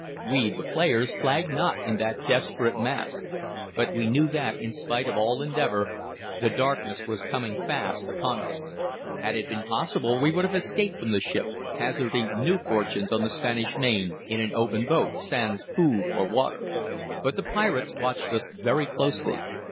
We, the players, flagged not in that desperate masque; but we knew that, in spite of all endeavor, the darkness was coming fast upon us. Had it been possible, we would have escaped from the ship, hazarding new fortunes on the Spanish Main, in an open boat, sans food or water. But the pirates watched us very closely.